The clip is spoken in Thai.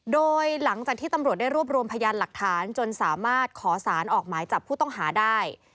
โดยหลังจากที่ตำรวจได้รวบรวมพยานหลักฐานจนสามารถขอสารออกหมายจับผู้ต้องหาได้